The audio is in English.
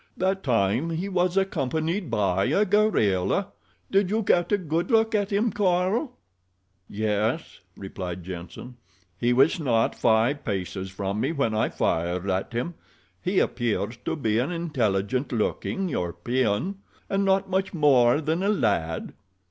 "That time he was accompanied by a gorilla. Did you get a good look at him, Carl?" "Yes," replied Jenssen. "He was not five paces from me when I fired at him. He appears to be an intelligent looking European—and not much more than a lad.